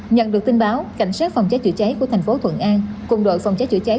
nhận được tin báo cảnh sát phòng cháy chữa cháy của thành phố thuận an cùng đội phòng cháy chữa cháy